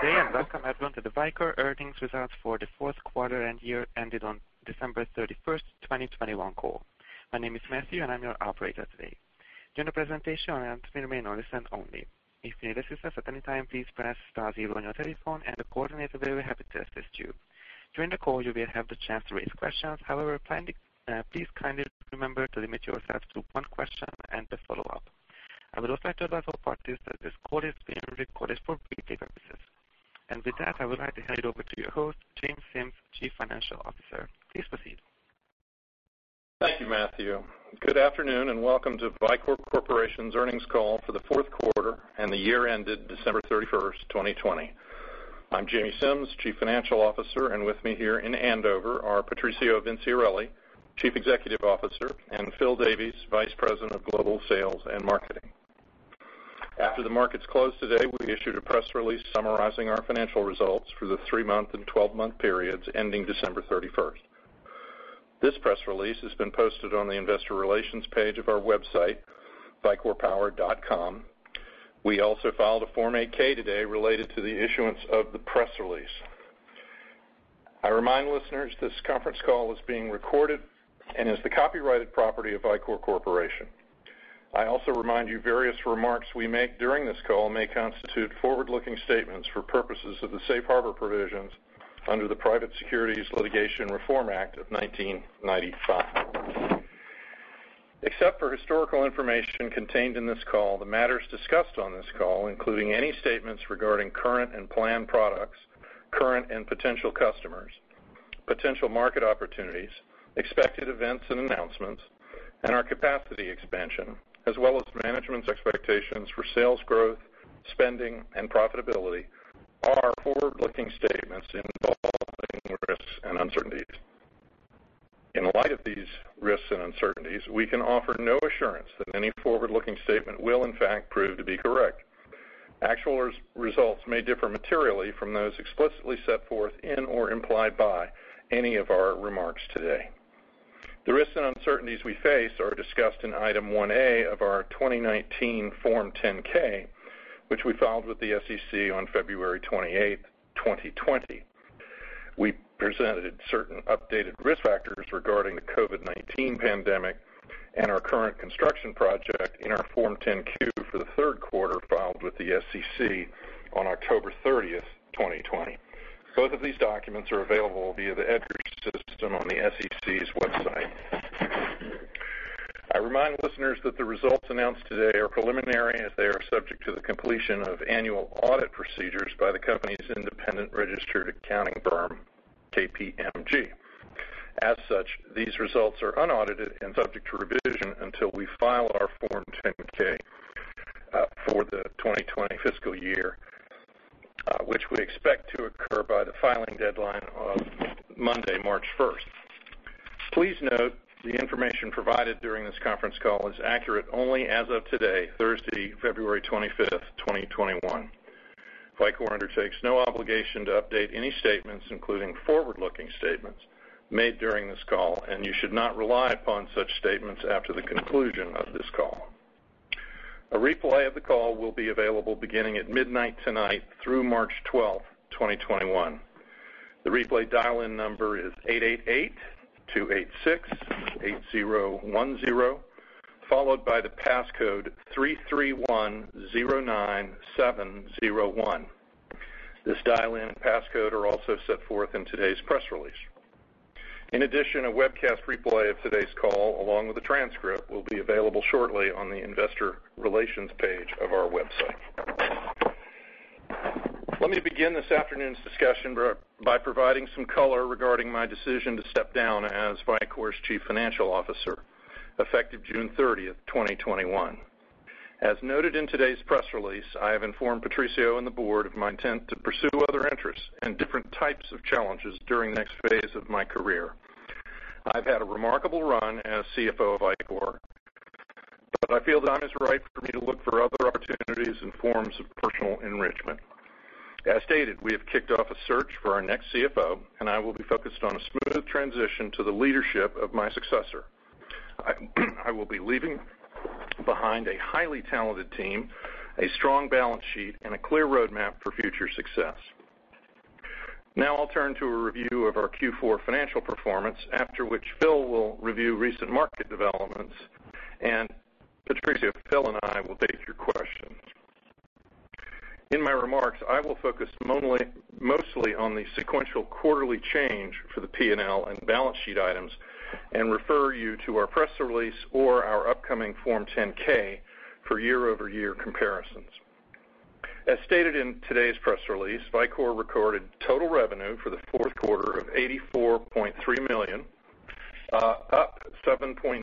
Good day, welcome everyone to the Vicor earnings results for the Q4 and year ended on December 31st, 2021 call. My name is Matthew, and I'm your operator today. During the presentation, you will remain on listen only. If you need assistance at any time, please press star zero on your telephone and the coordinator will be happy to assist you. During the call, you will have the chance to raise questions. Please kindly remember to limit yourself to one question and a follow-up. I would also like to advise all parties that this call is being recorded for replay purposes. With that, I would like to hand it over to your host, James Simms, Chief Financial Officer. Please proceed. Thank you, Matthew. Good afternoon, and welcome to Vicor Corporation's earnings call for the Q4 and the year ended December 31st, 2020. I'm Jamie Simms, Chief Financial Officer, and with me here in Andover are Patrizio Vinciarelli, Chief Executive Officer, and Phil Davies, Vice President of Global Sales and Marketing. After the markets closed today, we issued a press release summarizing our financial results for the three-month and 12-month periods ending December 31st. This press release has been posted on the investor relations page of our website, vicorpower.com. We also filed a Form 8-K today related to the issuance of the press release. I remind listeners this conference call is being recorded and is the copyrighted property of Vicor Corporation. I also remind you various remarks we make during this call may constitute forward-looking statements for purposes of the safe harbor provisions under the Private Securities Litigation Reform Act of 1995. Except for historical information contained in this call, the matters discussed on this call, including any statements regarding current and planned products, current and potential customers, potential market opportunities, expected events and announcements, and our capacity expansion, as well as management's expectations for sales growth, spending, and profitability, are forward-looking statements involving risks and uncertainties. In light of these risks and uncertainties, we can offer no assurance that any forward-looking statement will in fact prove to be correct. Actual results may differ materially from those explicitly set forth in or implied by any of our remarks today. The risks and uncertainties we face are discussed in Item 1A of our 2019 Form 10-K, which we filed with the SEC on February 28th, 2020. We presented certain updated risk factors regarding the COVID-19 pandemic and our current construction project in our Form 10-Q for the Q3 filed with the SEC on October 30th, 2020. Both of these documents are available via the EDGAR system on the SEC's website. I remind listeners that the results announced today are preliminary as they are subject to the completion of annual audit procedures by the company's independent registered accounting firm, KPMG. As such, these results are unaudited and subject to revision until we file our Form 10-K, for the 2020 fiscal year, which we expect to occur by the filing deadline of Monday, March 1st. Please note the information provided during this conference call is accurate only as of today, Thursday, February 25th, 2021. Vicor undertakes no obligation to update any statements, including forward-looking statements made during this call, and you should not rely upon such statements after the conclusion of this call. A replay of the call will be available beginning at midnight tonight through March 12th, 2021. The replay dial-in number is 888-286-8010, followed by the passcode 33109701. This dial-in and passcode are also set forth in today's press release. In addition, a webcast replay of today's call, along with a transcript, will be available shortly on the investor relations page of our website. Let me begin this afternoon's discussion by providing some color regarding my decision to step down as Vicor's Chief Financial Officer, effective June 30th, 2021. As noted in today's press release, I have informed Patrizio and the board of my intent to pursue other interests and different types of challenges during the next phase of my career. I've had a remarkable run as CFO of Vicor, but I feel the time is right for me to look for other opportunities and forms of personal enrichment. As stated, we have kicked off a search for our next CFO, and I will be focused on a smooth transition to the leadership of my successor. I will be leaving behind a highly talented team, a strong balance sheet, and a clear roadmap for future success. Now I'll turn to a review of our Q4 financial performance, after which Phil will review recent market developments, and Patrizio, Phil, and I will take your questions. In my remarks, I will focus mostly on the sequential quarterly change for the P&L and balance sheet items and refer you to our press release or our upcoming Form 10-K for year-over-year comparisons. As stated in today's press release, Vicor recorded total revenue for the Q4 of $84.3 million, up 7.9%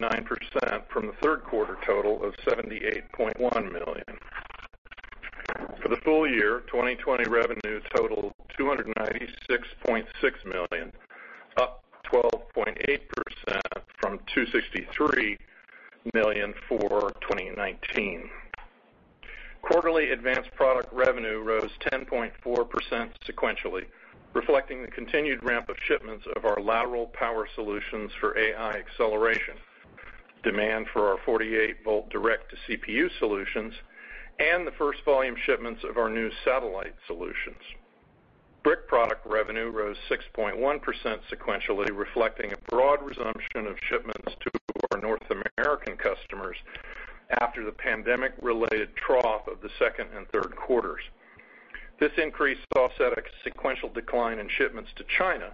from the Q3 total of $78.1 million. For the full year 2020 revenue totaled $296.6 million, up 12.8% from $263 million for 2019. Quarterly advanced product revenue rose 10.4% sequentially, reflecting the continued ramp of shipments of our lateral power solutions for AI acceleration. Demand for our 48-volt direct to CPU solutions and the first volume shipments of our new satellite solutions. Brick product revenue rose 6.1% sequentially, reflecting a broad resumption of shipments to our North American customers after the pandemic-related trough of the second and Q3s. This increase offset a sequential decline in shipments to China,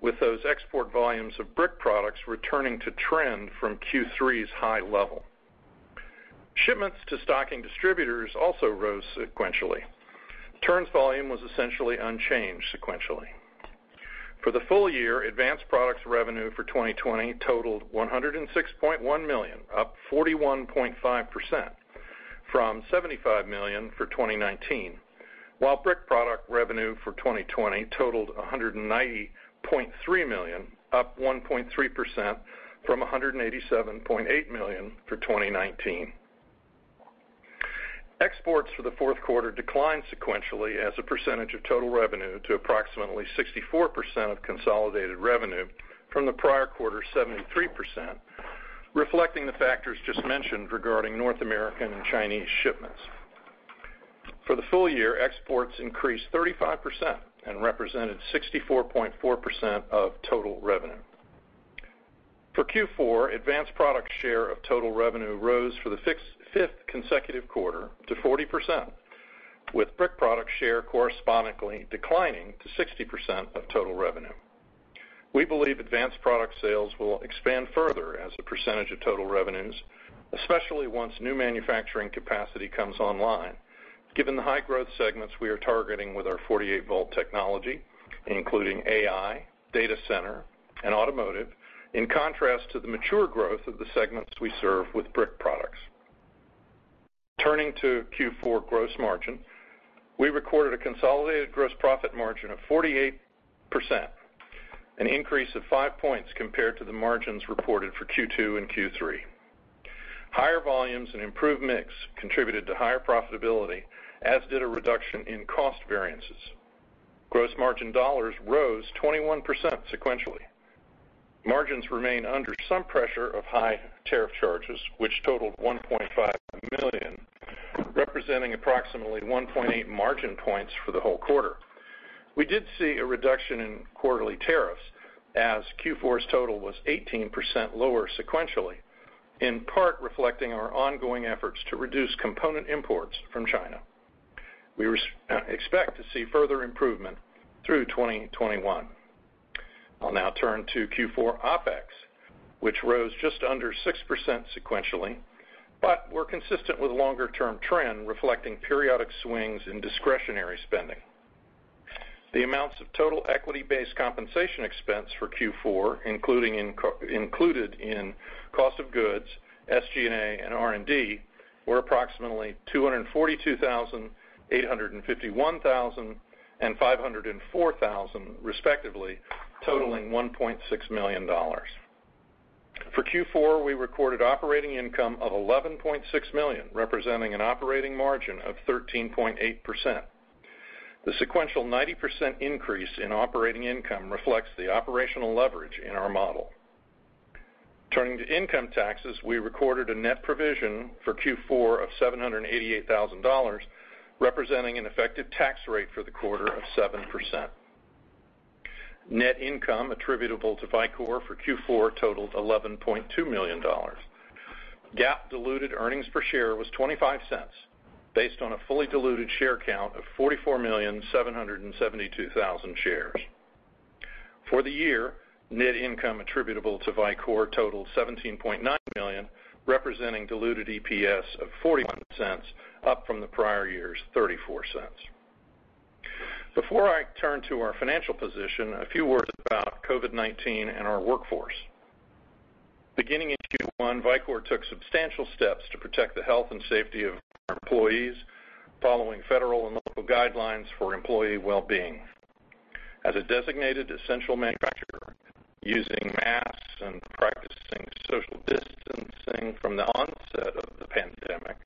with those export volumes of brick products returning to trend from Q3's high level. Shipments to stocking distributors also rose sequentially. Turns volume was essentially unchanged sequentially. For the full year, advanced products revenue for 2020 totaled $106.1 million, up 41.5% from $75 million for 2019, while brick product revenue for 2020 totaled $190.3 million, up 1.3% from $187.8 million for 2019. Exports for the Q4 declined sequentially as a percentage of total revenue to approximately 64% of consolidated revenue from the prior quarter's 73%, reflecting the factors just mentioned regarding North American and Chinese shipments. For the full year, exports increased 35% and represented 64.4% of total revenue. For Q4, advanced product share of total revenue rose for the fifth consecutive quarter to 40%, with brick product share correspondingly declining to 60% of total revenue. We believe advanced product sales will expand further as a percentage of total revenues, especially once new manufacturing capacity comes online, given the high growth segments we are targeting with our 48-volt technology, including AI, data center, and automotive, in contrast to the mature growth of the segments we serve with brick products. Turning to Q4 gross margin, we recorded a consolidated gross profit margin of 48%, an increase of five points compared to the margins reported for Q2 and Q3. Higher volumes and improved mix contributed to higher profitability, as did a reduction in cost variances. Gross margin dollars rose 21% sequentially. Margins remain under some pressure of high tariff charges, which totaled $1.5 million, representing approximately 1.8 margin points for the whole quarter. We did see a reduction in quarterly tariffs, as Q4's total was 18% lower sequentially, in part reflecting our ongoing efforts to reduce component imports from China. We expect to see further improvement through 2021. I'll now turn to Q4 OpEx, which rose just under 6% sequentially, but were consistent with longer-term trend, reflecting periodic swings in discretionary spending. The amounts of total equity-based compensation expense for Q4 included in cost of goods, SG&A, and R&D, were approximately $242,000, $851,000, and $504,000, respectively, totaling $1.6 million. For Q4, we recorded operating income of $11.6 million, representing an operating margin of 13.8%. The sequential 90% increase in operating income reflects the operational leverage in our model. Turning to income taxes, we recorded a net provision for Q4 of $788,000, representing an effective tax rate for the quarter of 7%. Net income attributable to Vicor for Q4 totaled $11.2 million. GAAP diluted earnings per share was $0.25, based on a fully diluted share count of 44,772,000 shares. For the year, net income attributable to Vicor totaled $17.9 million, representing diluted EPS of $0.41, up from the prior year's $0.34. Before I turn to our financial position, a few words about COVID-19 and our workforce. Beginning in Q1, Vicor took substantial steps to protect the health and safety of our employees, following federal and local guidelines for employee well-being. As a designated essential manufacturer, using masks and practicing social distancing from the onset of the pandemic,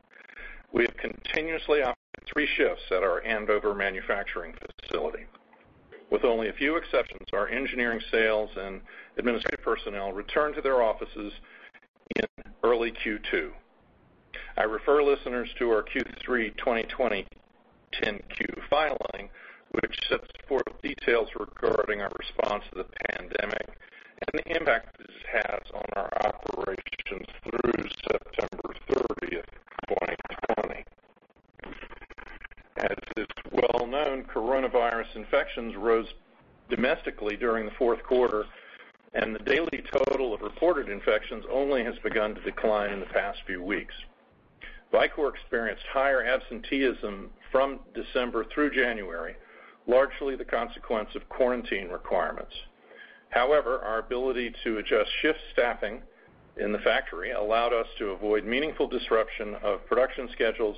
we have continuously operated three shifts at our Andover manufacturing facility. With only a few exceptions, our engineering, sales, and administrative personnel returned to their offices in early Q2. I refer listeners to our Q3 2020 10-Q filing, which sets forth details regarding our response to the pandemic and the impact this has on our operations through September 30th, 2020. As is well known, coronavirus infections rose domestically during the Q4, and the daily total of reported infections only has begun to decline in the past few weeks. Vicor experienced higher absenteeism from December through January, largely the consequence of quarantine requirements. However, our ability to adjust shift staffing in the factory allowed us to avoid meaningful disruption of production schedules,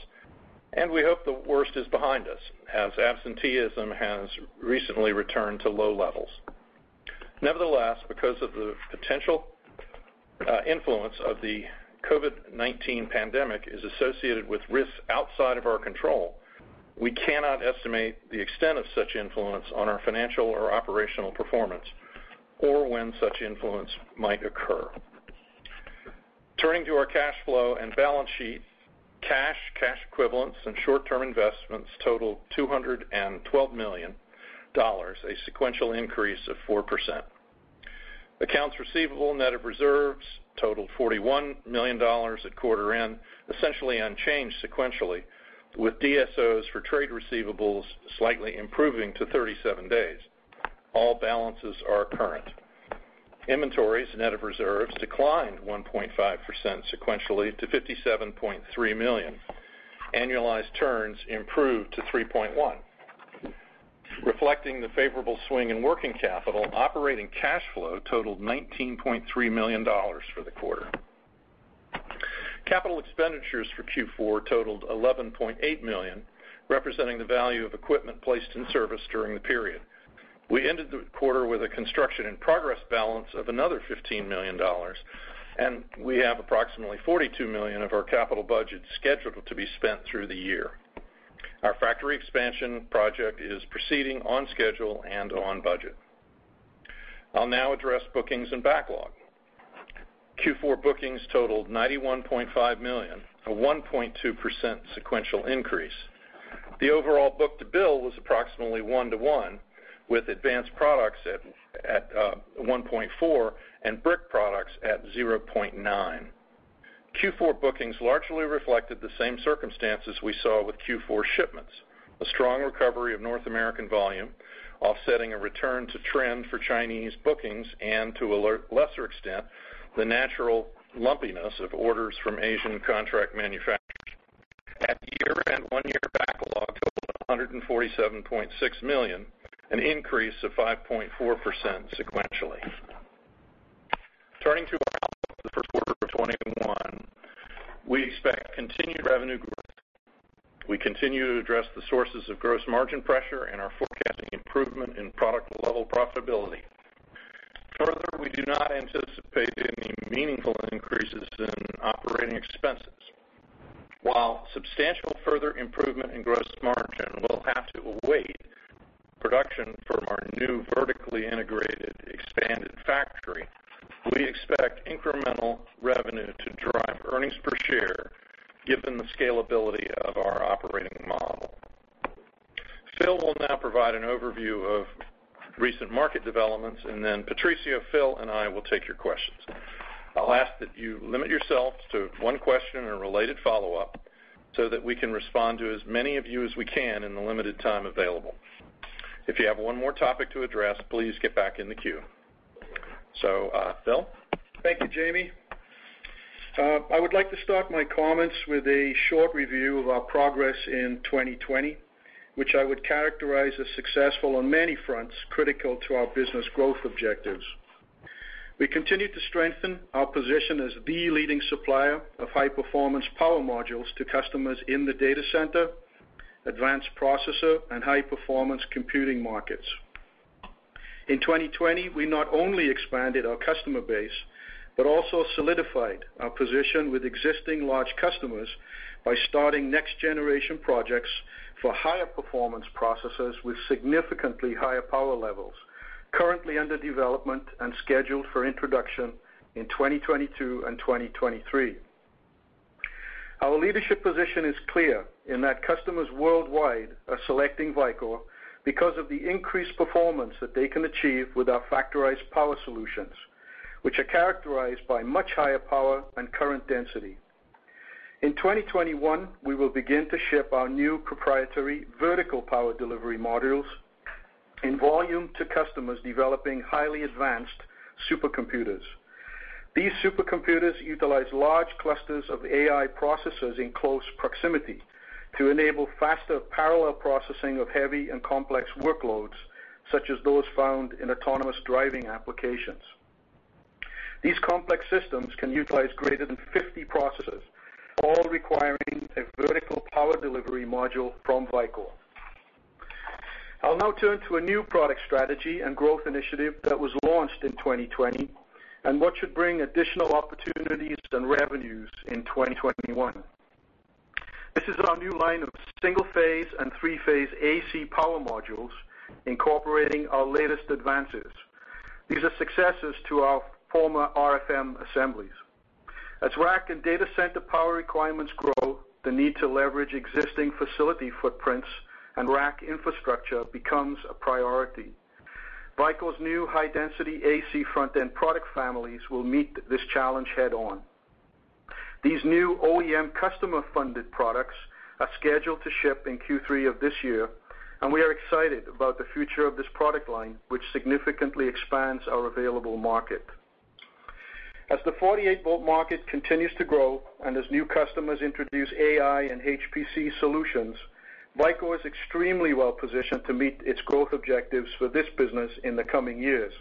and we hope the worst is behind us, as absenteeism has recently returned to low levels. Nevertheless, because of the potential influence of the COVID-19 pandemic is associated with risks outside of our control, we cannot estimate the extent of such influence on our financial or operational performance, or when such influence might occur. Turning to our cash flow and balance sheets, cash equivalents, and short-term investments totaled $212 million, a sequential increase of 4%. Accounts receivable net of reserves totaled $41 million at quarter end, essentially unchanged sequentially, with DSOs for trade receivables slightly improving to 37 days. All balances are current. Inventories net of reserves declined 1.5% sequentially to $57.3 million. Annualized turns improved to 3.1. Reflecting the favorable swing in working capital, operating cash flow totaled $19.3 million for the quarter. Capital expenditures for Q4 totaled $11.8 million, representing the value of equipment placed in service during the period. We ended the quarter with a construction-in-progress balance of another $15 million. We have approximately $42 million of our capital budget scheduled to be spent through the year. Our factory expansion project is proceeding on schedule and on budget. I'll now address bookings and backlog. Q4 bookings totaled $91.5 million, a 1.2% sequential increase. The overall book-to-bill was approximately one to one, with advanced products at 1.4 and brick products at 0.9. Q4 bookings largely reflected the same circumstances we saw with Q4 shipments, a strong recovery of North American volume offsetting a return to trend for Chinese bookings and, to a lesser extent, the natural lumpiness of orders from Asian contract manufacturers. At year-end, one-year backlog totaled $147.6 million, an increase of 5.4% sequentially. Turning to our outlook for Q1 2021, we expect continued revenue growth. We continue to address the sources of gross margin pressure and are forecasting improvement in product-level profitability. Further, we do not anticipate any meaningful increases in operating expenses. While substantial further improvement in gross margin will have to await production from our new vertically integrated expanded factory, we expect incremental revenue to drive earnings per share given the scalability of our operating model. Phil will now provide an overview of recent market developments, and then Patrizio, Phil, and I will take your questions. I'll ask that you limit yourself to one question and a related follow-up so that we can respond to as many of you as we can in the limited time available. If you have one more topic to address, please get back in the queue. Phil. Thank you, Jamie. I would like to start my comments with a short review of our progress in 2020, which I would characterize as successful on many fronts critical to our business growth objectives. We continued to strengthen our position as the leading supplier of high-performance power modules to customers in the data center, advanced processor, and high-performance computing markets. In 2020, we not only expanded our customer base, but also solidified our position with existing large customers by starting next-generation projects for higher performance processors with significantly higher power levels currently under development and scheduled for introduction in 2022 and 2023. Our leadership position is clear in that customers worldwide are selecting Vicor because of the increased performance that they can achieve with our factorized power solutions, which are characterized by much higher power and current density. In 2021, we will begin to ship our new proprietary vertical power delivery modules in volume to customers developing highly advanced supercomputers. These supercomputers utilize large clusters of AI processors in close proximity to enable faster parallel processing of heavy and complex workloads, such as those found in autonomous driving applications. These complex systems can utilize greater than 50 processors, all requiring a vertical power delivery module from Vicor. I'll now turn to a new product strategy and growth initiative that was launched in 2020 and what should bring additional opportunities and revenues in 2021. This is our new line of single-phase and three-phase AC power modules incorporating our latest advances. These are successors to our former RFM assemblies. As rack and data center power requirements grow, the need to leverage existing facility footprints and rack infrastructure becomes a priority. Vicor's new high-density AC front-end product families will meet this challenge head-on. These new OEM customer-funded products are scheduled to ship in Q3 of this year. We are excited about the future of this product line, which significantly expands our available market. As the 48-volt market continues to grow and as new customers introduce AI and HPC solutions, Vicor is extremely well-positioned to meet its growth objectives for this business in the coming years.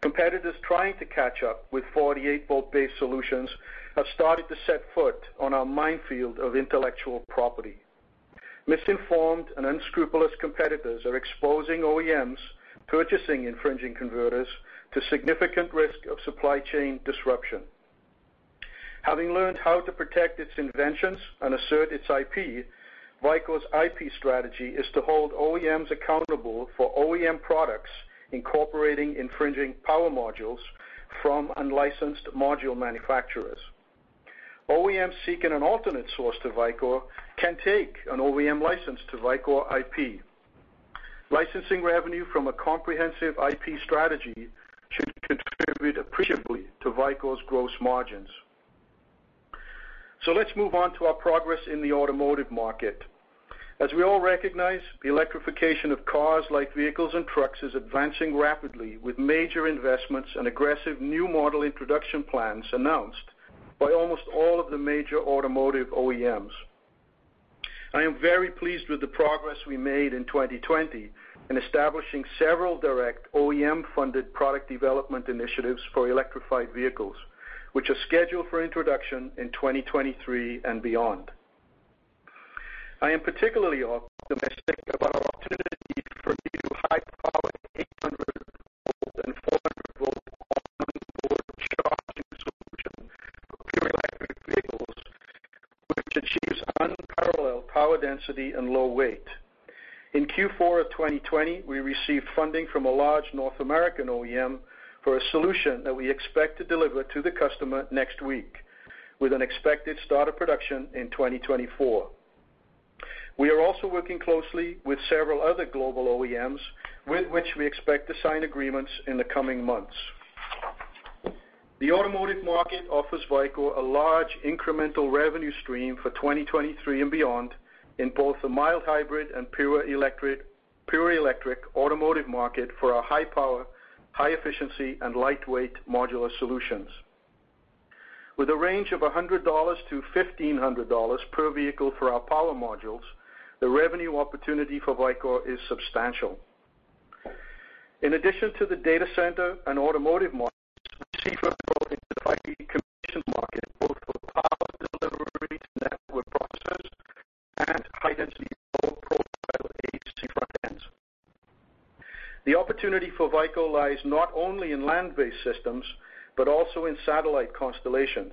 Competitors trying to catch up with 48-volt-based solutions have started to set foot on our minefield of intellectual property. Misinformed and unscrupulous competitors are exposing OEMs purchasing infringing converters to significant risk of supply chain disruption. Having learned how to protect its inventions and assert its IP, Vicor's IP strategy is to hold OEMs accountable for OEM products incorporating infringing power modules from unlicensed module manufacturers. OEMs seeking an alternate source to Vicor can take an OEM license to Vicor IP. Licensing revenue from a comprehensive IP strategy should contribute appreciably to Vicor's gross margins. Let's move on to our progress in the automotive market. As we all recognize, the electrification of cars, light vehicles and trucks is advancing rapidly with major investments and aggressive new model introduction plans announced by almost all of the major automotive OEMs. I am very pleased with the progress we made in 2020 in establishing several direct OEM-funded product development initiatives for electrified vehicles, which are scheduled for introduction in 2023 and beyond. I am particularly optimistic about our opportunity for a new high-power 800-volt and 400-volt on-board charging solution for pure electric vehicles, which achieves unparalleled power density and low weight. In Q4 of 2020, we received funding from a large North American OEM for a solution that we expect to deliver to the customer next week, with an expected start of production in 2024. We are also working closely with several other global OEMs with which we expect to sign agreements in the coming months. The automotive market offers Vicor a large incremental revenue stream for 2023 and beyond in both the mild hybrid and pure electric automotive market for our high power, high efficiency, and lightweight modular solutions. With a range of $100-$1,500 per vehicle for our power modules, the revenue opportunity for Vicor is substantial. In addition to the data center and automotive markets, we see further growth into the telecom market, both for power delivery to network processors and high-density, low-profile AC front ends. The opportunity for Vicor lies not only in land-based systems, but also in satellite constellations.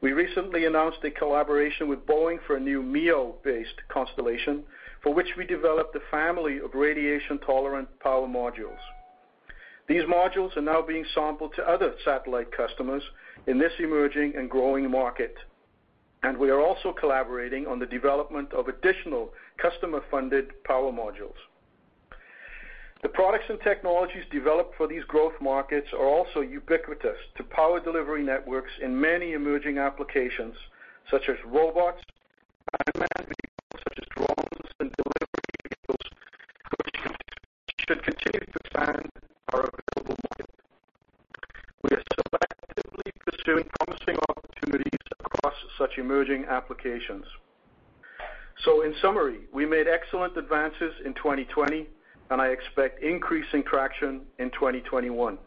We recently announced a collaboration with Boeing for a new MEO-based constellation, for which we developed a family of radiation-tolerant power modules. These modules are now being sampled to other satellite customers in this emerging and growing market, and we are also collaborating on the development of additional customer-funded power modules. The products and technologies developed for these growth markets are also ubiquitous to power delivery networks in many emerging applications, such as robots, unmanned vehicles such as drones and delivery vehicles, which should continue to expand our available market. We are selectively pursuing promising opportunities across such emerging applications. In summary, we made excellent advances in 2020, and I expect increasing traction in 2021.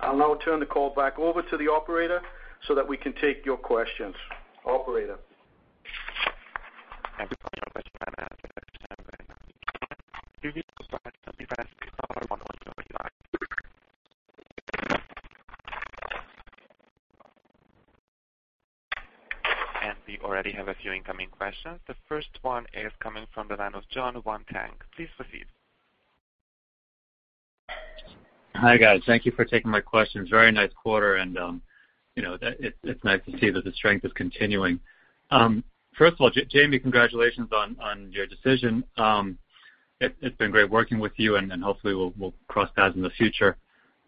I'll now turn the call back over to the operator so that we can take your questions. Operator? We already have a few incoming questions. The first one is coming from the line of John Tanwanteng. Please proceed. Hi, guys. Thank you for taking my questions. Very nice quarter, and it's nice to see that the strength is continuing. First of all, Jamie, congratulations on your decision. It's been great working with you, and hopefully we'll cross paths in the future.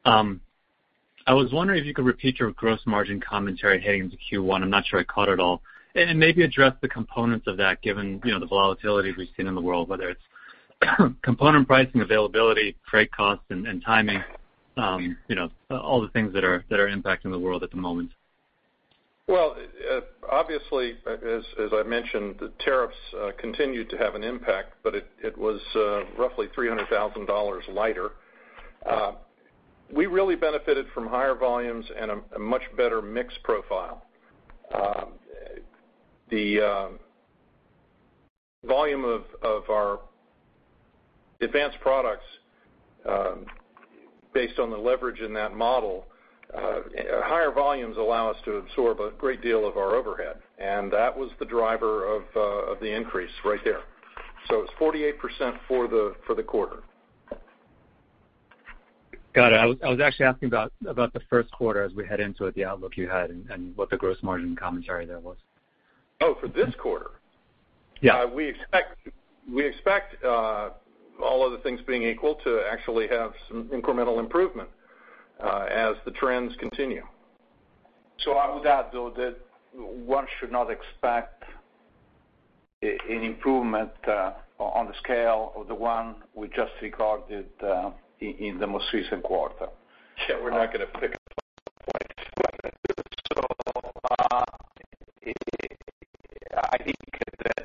I was wondering if you could repeat your gross margin commentary heading into Q1. I'm not sure I caught it all. Maybe address the components of that, given the volatility we've seen in the world, whether it's component pricing, availability, freight costs, and timing, all the things that are impacting the world at the moment. Well, obviously, as I mentioned, the tariffs continued to have an impact, but it was roughly $300,000 lighter. We really benefited from higher volumes and a much better mix profile. The volume of our advanced products, based on the leverage in that model, higher volumes allow us to absorb a great deal of our overhead, and that was the driver of the increase right there. It's 48% for the quarter. Got it. I was actually asking about the Q1 as we head into it, the outlook you had and what the gross margin commentary there was. Oh, for this quarter? Yeah. We expect, all other things being equal, to actually have some incremental improvement as the trends continue. I would add, though, that one should not expect an improvement on the scale of the one we just recorded in the most recent quarter. Yeah, we're not going to pick up quite like that. I think that,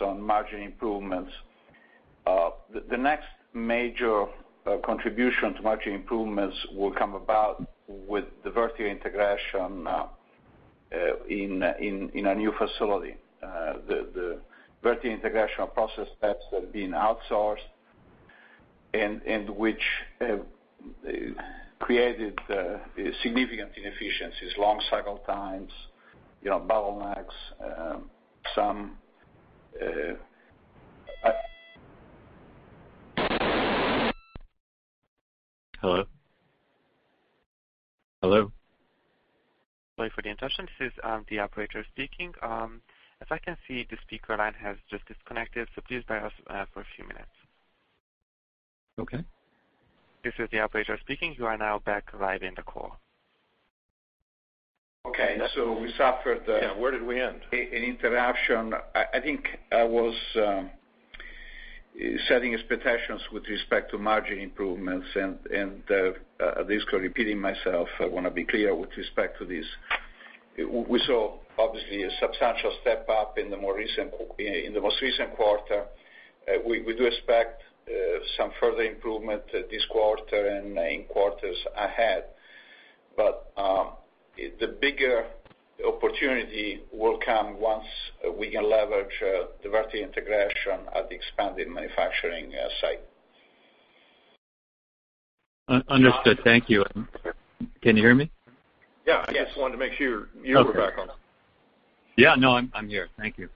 as suggested in the prepared remarks, margin discussions on margin improvements, the next major contribution to margin improvements will come about with the vertical integration. In a new facility. The vertical integration of process steps that have been outsourced, and which have created significant inefficiencies, long cycle times, bottlenecks. Hello? Hello? Sorry for the interruption. This is the operator speaking. As I can see, the speaker line has just disconnected. Please bear with us for a few minutes. Okay. This is the operator speaking. You are now back live in the call. Okay. Yeah, where did we end? An interruption. I think I was setting expectations with respect to margin improvements and the risk of repeating myself, I want to be clear with respect to this. We saw, obviously, a substantial step up in the most recent quarter. We do expect some further improvement this quarter and in quarters ahead. But the bigger opportunity will come once we can leverage the vertical integration at the expanded manufacturing site. Understood. Thank you. Can you hear me? Yeah. I just wanted to make sure you were back on. Yeah, no, I'm here. Thank you.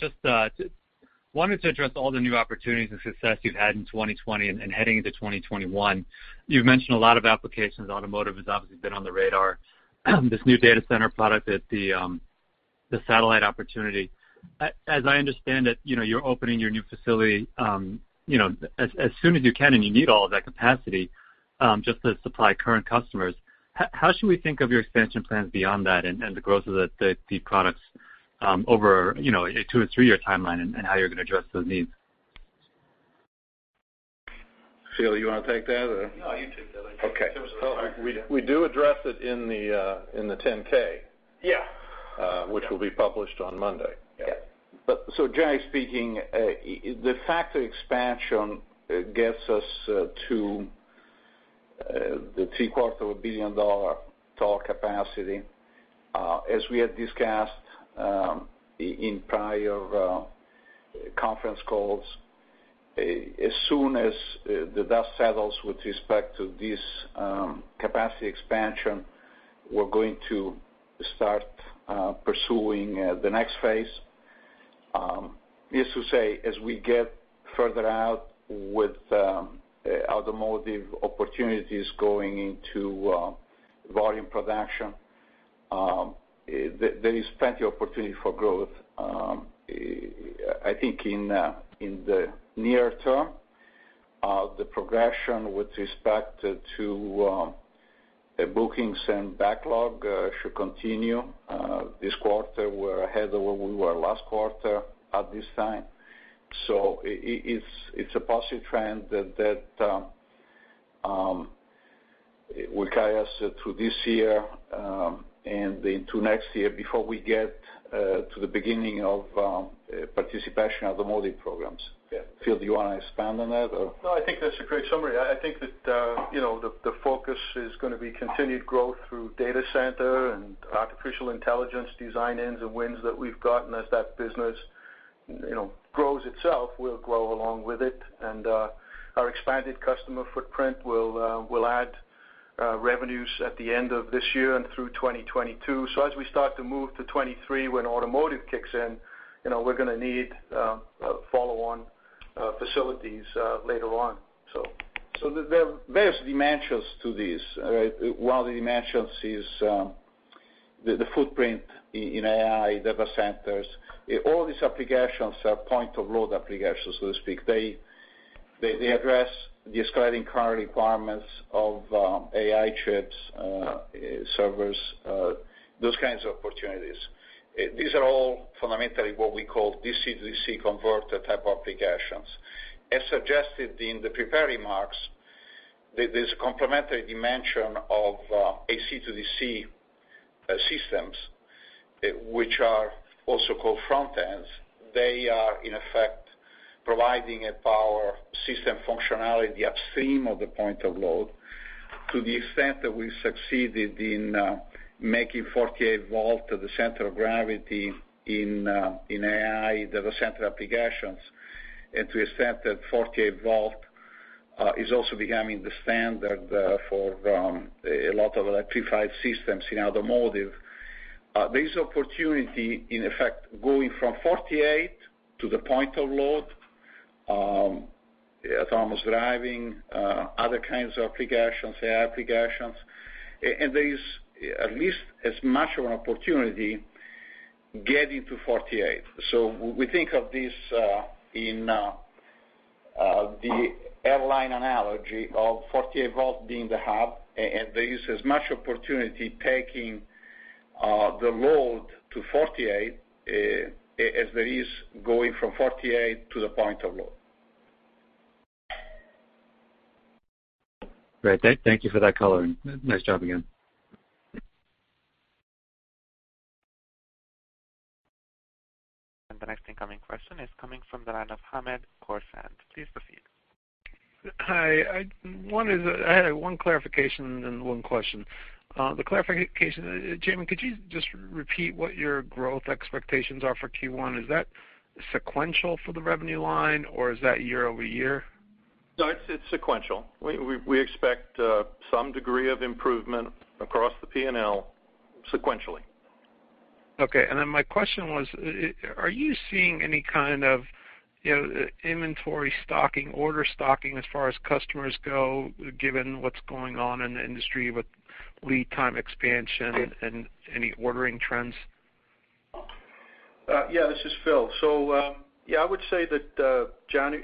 Just wanted to address all the new opportunities and success you've had in 2020 and heading into 2021. You've mentioned a lot of applications. Automotive has obviously been on the radar. This new data center product, the satellite opportunity. As I understand it, you're opening your new facility, as soon as you can, and you need all of that capacity, just to supply current customers. How should we think of your expansion plans beyond that and the growth of the products over a two- or three-year timeline and how you're going to address those needs? Phil, you want to take that or? No, you take that. Okay. It was hard to read it. We do address it in the 10-K. Yeah. Which will be published on Monday. Yeah. Generally speaking, the factory expansion gets us to the three quarter of a billion dollar total capacity. As we had discussed in prior conference calls, as soon as the dust settles with respect to this capacity expansion, we're going to start pursuing the next phase. Needless to say, as we get further out with automotive opportunities going into volume production, there is plenty opportunity for growth. I think in the near term, the progression with respect to bookings and backlog should continue. This quarter, we're ahead of where we were last quarter at this time. It's a positive trend that will carry us through this year, and into next year before we get to the beginning of participation automotive programs. Yeah. Phil, do you want to expand on that or? I think that's a great summary. I think that the focus is going to be continued growth through data center and Artificial Intelligence design-ins and wins that we've gotten as that business grows itself, we'll grow along with it. Our expanded customer footprint will add revenues at the end of this year and through 2022. As we start to move to 2023, when automotive kicks in, we're going to need follow-on facilities later on. There are various dimensions to this. One of the dimensions is the footprint in AI data centers. All these applications are point-of-load applications, so to speak. They address the escalating current requirements of AI chips, servers, those kinds of opportunities. These are all fundamentally what we call DC-to-DC converter type applications. As suggested in the prepared remarks, this complementary dimension of AC-to-DC systems, which are also called front ends, they are, in effect, providing a power system functionality upstream of the point of load. To the extent that we succeeded in making 48 volt the center of gravity in AI data center applications, and to extent that 48 volt is also becoming the standard for a lot of electrified systems in automotive. There is opportunity, in effect, going from 48 to the point of load, autonomous driving, other kinds of applications, AI applications, and there is at least as much of an opportunity getting to 48. We think of this in the airline analogy of 48 volt being the hub, and there is as much opportunity taking the load to 48, as there is going from 48 to the point of load. Great. Thank you for that color. Nice job again. The next incoming question is coming from the line of Hamed Khorsand. Please proceed. Hi. I had one clarification and one question. The clarification, Jamie, could you just repeat what your growth expectations are for Q1? Is that sequential for the revenue line or is that year-over-year? No, it's sequential. We expect some degree of improvement across the P&L sequentially. Okay. My question was, are you seeing any kind of inventory stocking, order stocking as far as customers go, given what's going on in the industry with lead time expansion and any ordering trends? Yeah, this is Phil. Yeah, I would say that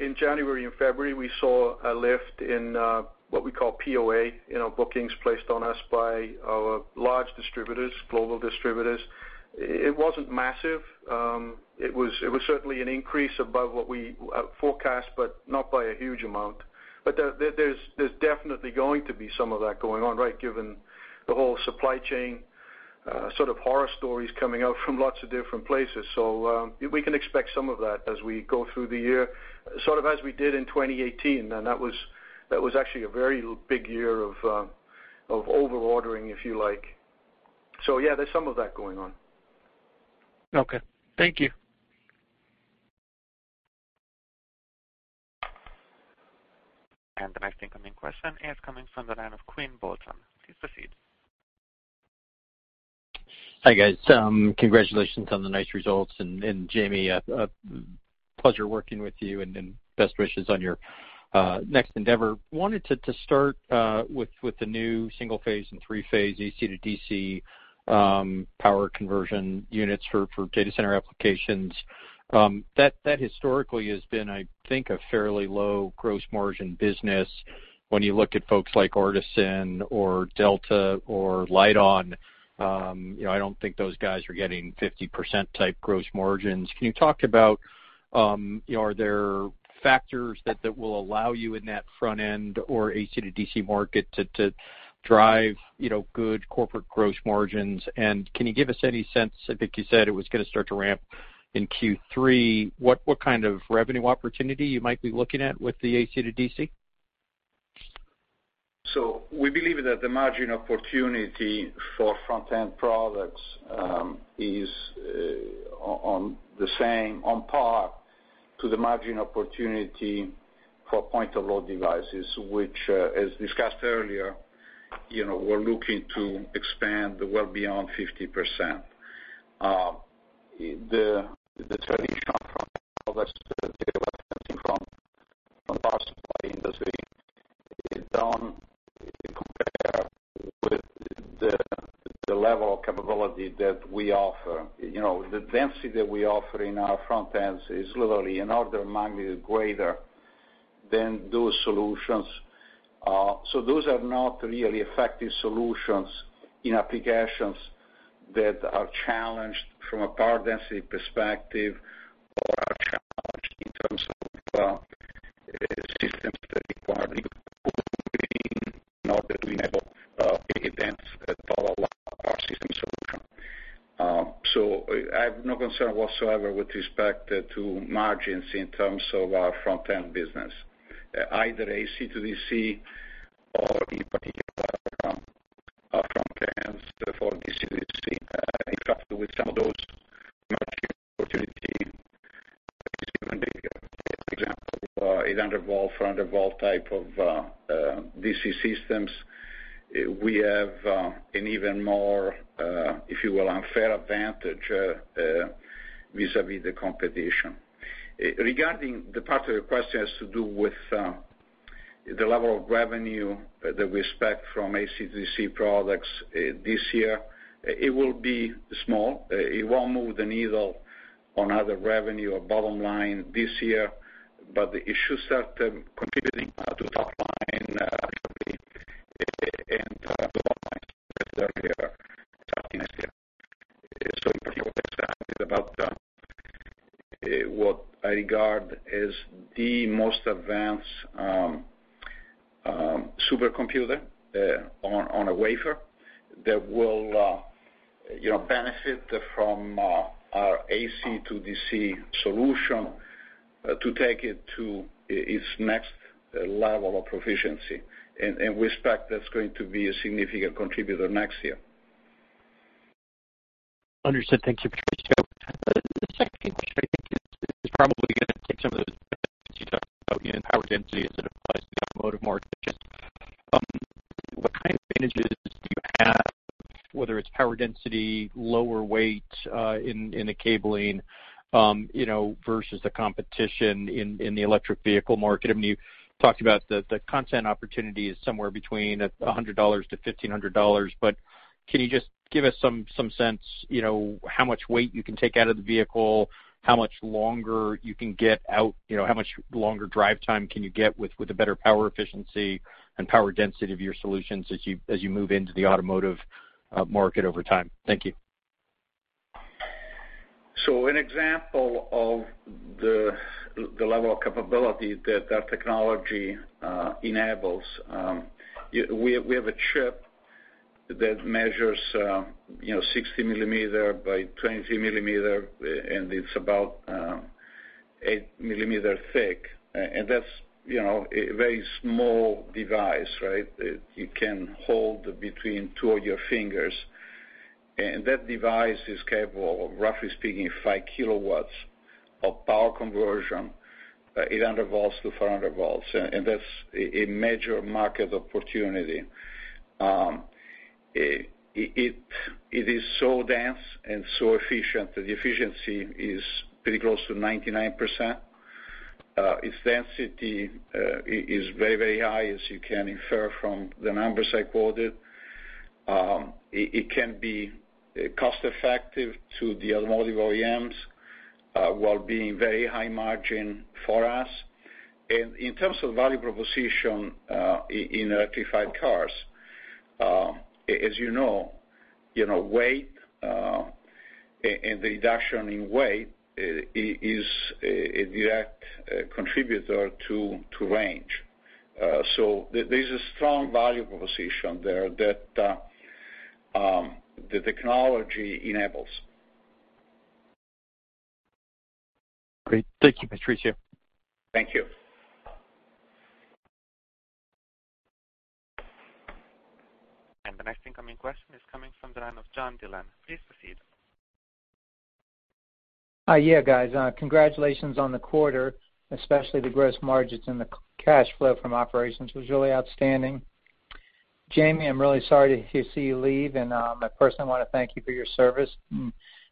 in January and February, we saw a lift in what we call POA, bookings placed on us by our large distributors, global distributors. It wasn't massive. It was certainly an increase above what we forecast, but not by a huge amount. There's definitely going to be some of that going on, right, given the whole supply chain sort of horror stories coming out from lots of different places. We can expect some of that as we go through the year, sort of as we did in 2018. That was actually a very big year of over-ordering, if you like. Yeah, there's some of that going on. Okay. Thank you. The next incoming question is coming from the line of Quinn Bolton. Please proceed. Hi, guys. Congratulations on the nice results. Jamie, a pleasure working with you and best wishes on your next endeavor. Wanted to start with the new single-phase and three-phase AC-to-DC power conversion units for data center applications. That historically has been, I think, a fairly low gross margin business. When you look at folks like Artesyn or Delta or Lite-On, I don't think those guys are getting 50%-type gross margins. Can you talk about, are there factors that will allow you in that front-end or AC-to-DC market to drive good corporate gross margins? Can you give us any sense, I think you said it was going to start to ramp in Q3, what kind of revenue opportunity you might be looking at with the AC-to-DC? We believe that the margin opportunity for front-end products is on par to the margin opportunity for point-of-load devices, which, as discussed earlier, we're looking to expand well beyond 50%. The traditional front-end products that you are referencing from power supply industry don't compare with the level of capability that we offer. The density that we offer in our front ends is literally an order of magnitude greater than those solutions. Those are not really effective solutions in applications that are challenged from a power density perspective or are challenged in terms of systems that require cooling in order to enable big events that follow our system solution. I have no concern whatsoever with respect to margins in terms of our front-end business, either AC-to-DC or even from our front ends for DC-to-DC. In fact, with some of those margin opportunity, as given the example for 800 volt, 400 volt type of DC systems, we have an even more, if you will, unfair advantage vis-à-vis the competition. Regarding the part of the question has to do with the level of revenue that we expect from AC-to-DC products this year, it will be small. It won't move the needle on either revenue or bottom line this year, but it should start contributing to the top line shortly and to the bottom line, as I said earlier, starting next year. I'm particularly excited about what I regard as the most advanced supercomputer on a wafer that will benefit from our AC-to-DC solution to take it to its next level of proficiency. We expect that's going to be a significant contributor next year. Understood. Thank you, Patrizio. The second question, I think, is probably going to take some of those benefits you talked about in power density as it applies to the automotive market. Just what kind of advantages do you have, whether it's power density, lower weight in the cabling versus the competition in the electric vehicle market? I mean, you talked about the content opportunity is somewhere between $100-$1,500, can you just give us some sense how much weight you can take out of the vehicle, how much longer drive time can you get with a better power efficiency and power density of your solutions as you move into the automotive market over time? Thank you. An example of the level of capability that that technology enables, we have a chip that measures 60 millimeter by 20 millimeter, and it's about eight millimeter thick. That's a very small device. You can hold between two of your fingers. That device is capable of, roughly speaking, 5 kW of power conversion, 800 volts to 400 volts. That's a major market opportunity. It is so dense and so efficient. The efficiency is pretty close to 99%. Its density is very high, as you can infer from the numbers I quoted. It can be cost-effective to the automotive OEMs, while being very high margin for us. In terms of value proposition in electrified cars, as you know, weight and the reduction in weight is a direct contributor to range. There's a strong value proposition there that the technology enables. Great. Thank you, Patrizio. Thank you. The next incoming question is coming from the line of John Dillon. Please proceed. Yeah, guys, congratulations on the quarter, especially the gross margins, and the cash flow from operations was really outstanding. Jamie, I'm really sorry to see you leave, and I personally want to thank you for your service.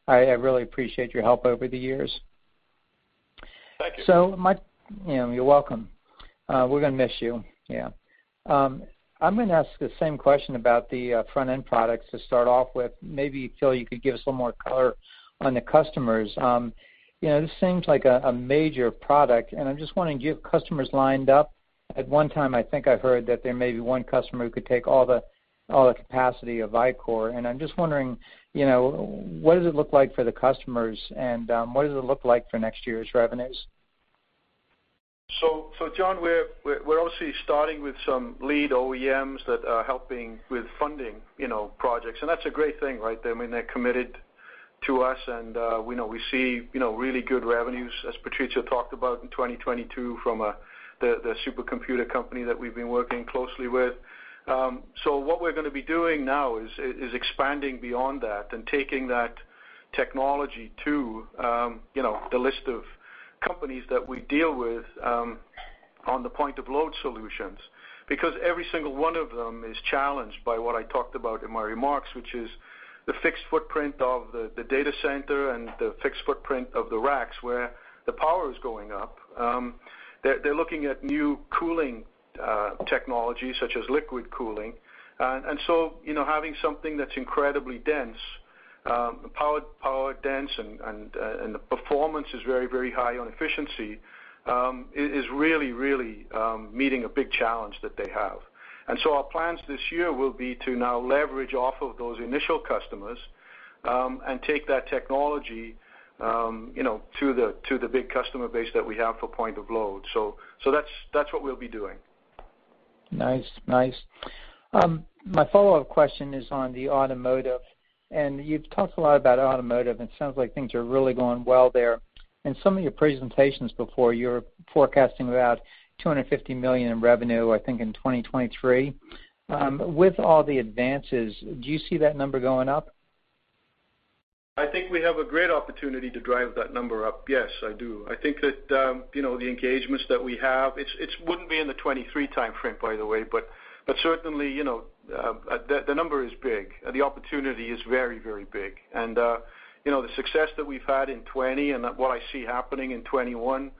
I really appreciate your help over the years. Thank you. You're welcome. We're going to miss you, yeah. I'm going to ask the same question about the front-end products to start off with. Maybe, Phil, you could give us some more color on the customers. This seems like a major product, and I'm just wondering, do you have customers lined up? At one time, I think I heard that there may be one customer who could take all the capacity of Vicor. I'm just wondering, what does it look like for the customers, and what does it look like for next year's revenues? John, we're obviously starting with some lead OEMs that are helping with funding projects. That's a great thing, right? They're committed to us, we see really good revenues, as Patrizio talked about, in 2022 from the supercomputer company that we've been working closely with. What we're going to be doing now is expanding beyond that and taking that technology to the list of companies that we deal with on the point of load solutions. Every single one of them is challenged by what I talked about in my remarks, which is the fixed footprint of the data center and the fixed footprint of the racks, where the power is going up. They're looking at new cooling technologies, such as liquid cooling. Having something that's incredibly dense, power dense, and the performance is very high on efficiency, is really meeting a big challenge that they have. Our plans this year will be to now leverage off of those initial customers and take that technology to the big customer base that we have for point of load. That's what we'll be doing. Nice. My follow-up question is on the automotive. You've talked a lot about automotive, and it sounds like things are really going well there. In some of your presentations before, you were forecasting about $250 million in revenue, I think, in 2023. With all the advances, do you see that number going up? I think we have a great opportunity to drive that number up. Yes, I do. I think that the engagements that we have, it wouldn't be in the 2023 timeframe, by the way, but certainly, the number is big. The opportunity is very big. The success that we've had in 2020 and what I see happening in 2021,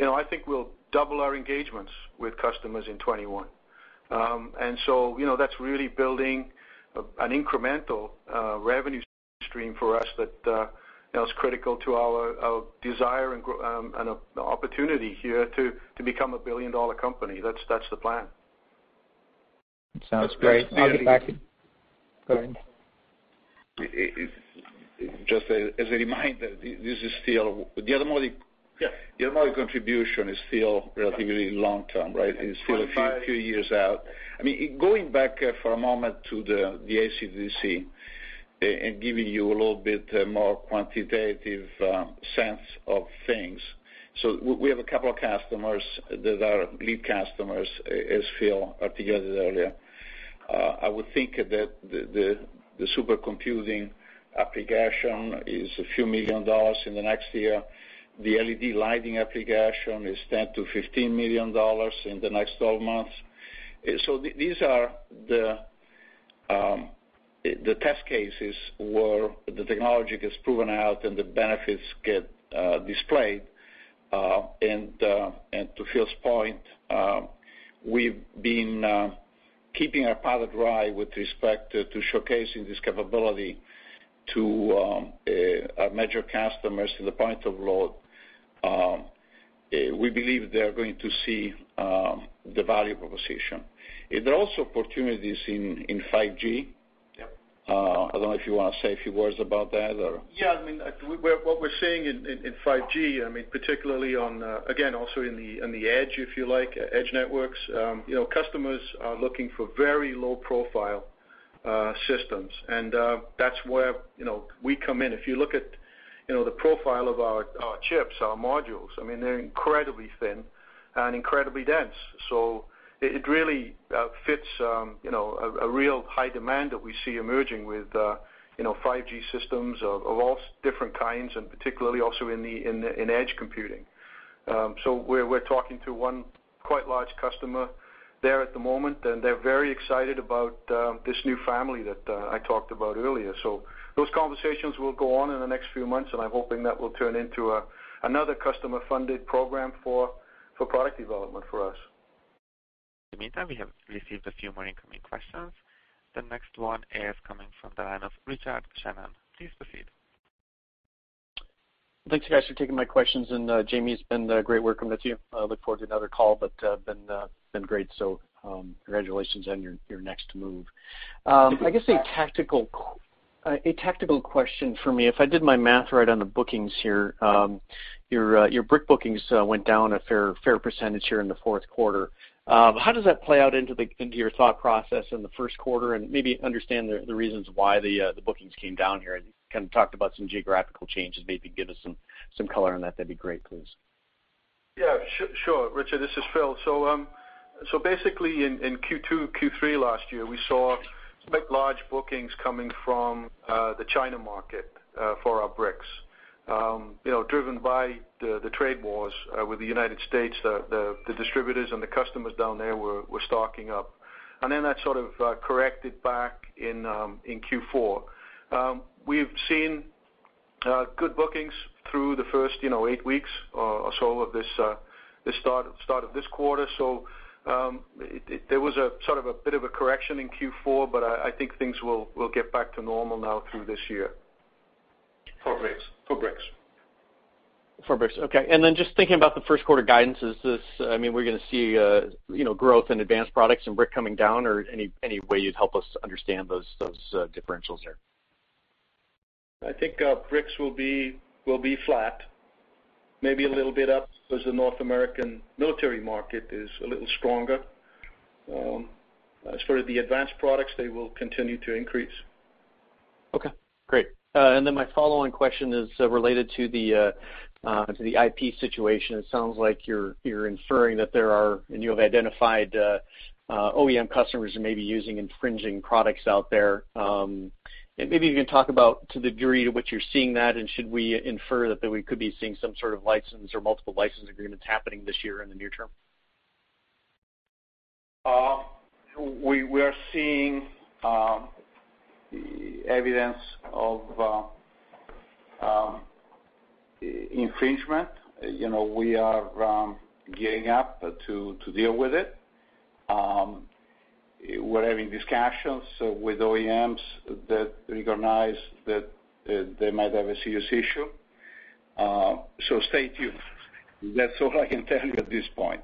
I think we'll double our engagements with customers in 2021. That's really building an incremental revenue stream for us that is critical to our desire and opportunity here to become a billion-dollar company. That's the plan. It sounds great. Just as a reminder. Yeah contribution is still relatively long-term, right? It's still a few years out. Going back for a moment to the AC/DC, and giving you a little bit more quantitative sense of things. We have a couple of customers that are lead customers, as Phil articulated earlier. I would think that the supercomputing application is a few million dollars in the next year. The LED lighting application is $10 million-$15 million in the next 12 months. These are the test cases where the technology gets proven out and the benefits get displayed. To Phil's point, we've been keeping our powder dry with respect to showcasing this capability to our major customers to the point of load. We believe they are going to see the value proposition. There are also opportunities in 5G. I don't know if you want to say a few words about that or- Yeah, what we're seeing in 5G, particularly on, again, also in the edge, if you like, edge networks, customers are looking for very low-profile systems, and that's where we come in. If you look at the profile of our chips, our modules, they're incredibly thin and incredibly dense. It really fits a real high demand that we see emerging with 5G systems of all different kinds, and particularly also in edge computing. We're talking to one quite large customer there at the moment, and they're very excited about this new family that I talked about earlier. Those conversations will go on in the next few months, and I'm hoping that will turn into another customer-funded program for product development for us. In the meantime, we have received a few more incoming questions. The next one is coming from the line of Richard Shannon. Please proceed. Thanks, guys, for taking my questions, Jamie, it's been great working with you. I look forward to another call, but been great. Congratulations on your next move. I guess a tactical question for me, if I did my math right on the bookings here, your brick bookings went down a fair percentage here in the Q4. How does that play out into your thought process in the Q1? Maybe understand the reasons why the bookings came down here. You kind of talked about some geographical changes. Maybe give us some color on that. That'd be great, please. Yeah, sure, Richard, this is Phil. Basically in Q2, Q3 last year, we saw quite large bookings coming from the China market for our bricks. Driven by the trade wars with the United States, the distributors and the customers down there were stocking up. That sort of corrected back in Q4. We've seen good bookings through the first eight weeks or so of this start of this quarter. There was sort of a bit of a correction in Q4, but I think things will get back to normal now through this year. For bricks. For bricks. For bricks, okay. Just thinking about the Q1 guidance, are we going to see growth in advanced products and brick coming down? Or any way you'd help us understand those differentials there? I think bricks will be flat, maybe a little bit up as the North American military market is a little stronger. As for the advanced products, they will continue to increase. Okay, great. My follow-on question is related to the IP situation. It sounds like you're inferring that there are, and you have identified OEM customers who may be using infringing products out there. Maybe you can talk about to the degree to which you're seeing that, and should we infer that we could be seeing some sort of license or multiple license agreements happening this year in the near term? We are seeing the evidence of infringement. We are gearing up to deal with it. We're having discussions with OEMs that recognize that they might have a serious issue. Stay tuned. That's all I can tell you at this point.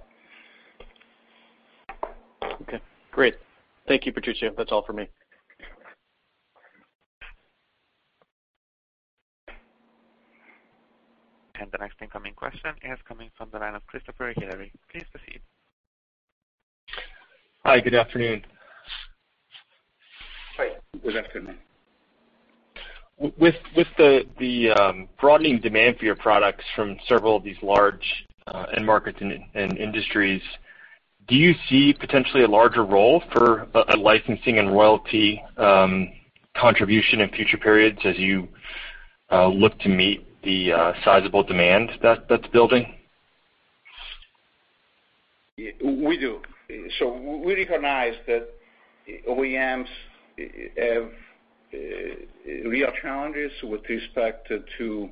Okay, great. Thank you, Patrizio. That's all for me. The next incoming question is coming from the line of Christopher Hillary. Please proceed. Hi, good afternoon. Hi, good afternoon. With the broadening demand for your products from several of these large end markets and industries, do you see potentially a larger role for a licensing and royalty contribution in future periods as you look to meet the sizable demand that's building? We do. We recognize that OEMs have real challenges with respect to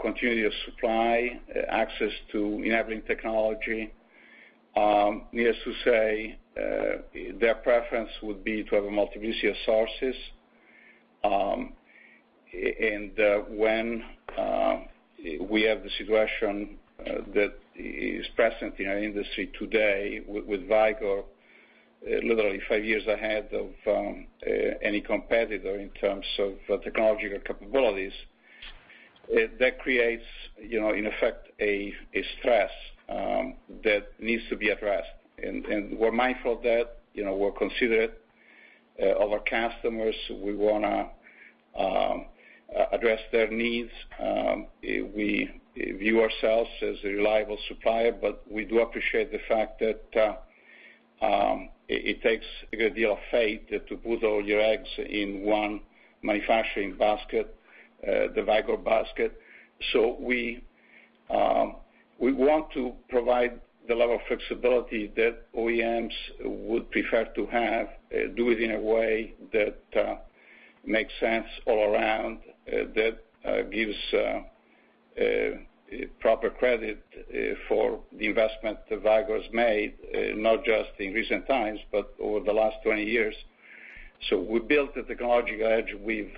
continuous supply, access to enabling technology. Needless to say, their preference would be to have multiple sources. When we have the situation that is present in our industry today with Vicor, literally five years ahead of any competitor in terms of technological capabilities, that creates, in effect, a stress that needs to be addressed. We're mindful of that. We're considerate of our customers. We want to address their needs. We view ourselves as a reliable supplier, but we do appreciate the fact that it takes a good deal of faith to put all your eggs in one manufacturing basket, the Vicor basket. We want to provide the level of flexibility that OEMs would prefer to have, do it in a way that makes sense all around, that gives proper credit for the investment that Vicor has made, not just in recent times, but over the last 20 years. We built a technology edge. We've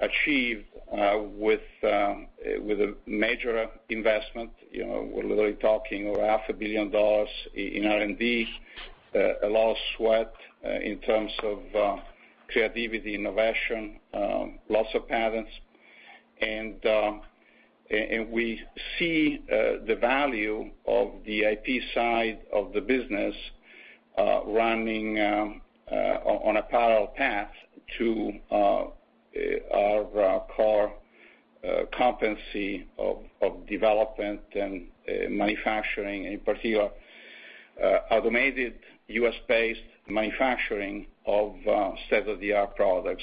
achieved with a major investment. We're literally talking over half a billion dollars in R&D, a lot of sweat in terms of creativity, innovation, lots of patents. We see the value of the IP side of the business running on a parallel path to our core competency of development and manufacturing, in particular, automated U.S.-based manufacturing of state-of-the-art products.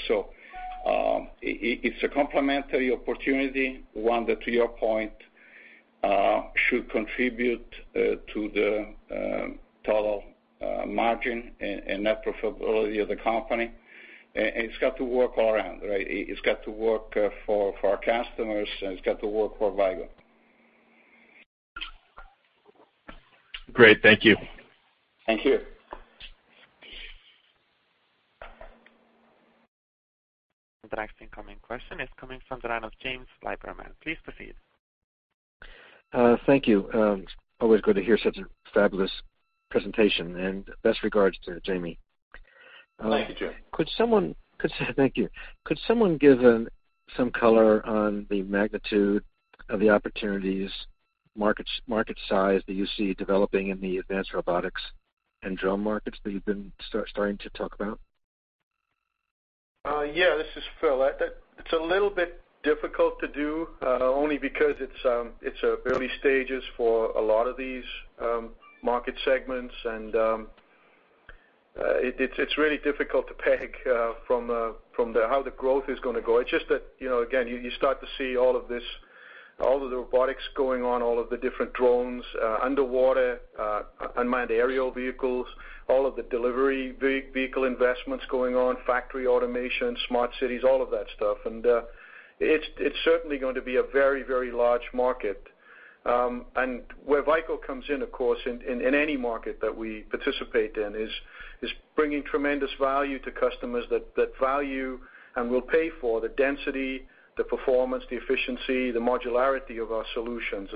It's a complementary opportunity, one that, to your point, should contribute to the total margin and net profitability of the company. It's got to work all around, right? It's got to work for our customers, and it's got to work for Vicor. Great. Thank you. Thank you. The next incoming question is coming from the line of James Liberman. Please proceed. Thank you. Always good to hear such a fabulous presentation, and best regards to Jamie. Thank you, James. Thank you. Could someone give some color on the magnitude of the opportunities, market size that you see developing in the advanced robotics and drone markets that you've been starting to talk about? Yeah, this is Phil. It's a little bit difficult to do, only because it's early stages for a lot of these market segments, and it's really difficult to peg from how the growth is going to go. It's just that, again, you start to see all of the robotics going on, all of the different drones, underwater unmanned aerial vehicles, all of the delivery vehicle investments going on, factory automation, smart cities, all of that stuff. It's certainly going to be a very, very large market. Where Vicor comes in, of course, in any market that we participate in, is bringing tremendous value to customers that value and will pay for the density, the performance, the efficiency, the modularity of our solutions.